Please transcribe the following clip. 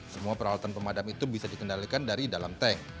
semua peralatan pemadam itu bisa dikendalikan dari dalam tank